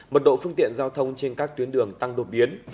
mật độ phương tiện giao thông trên các tuyến đường tăng đột biến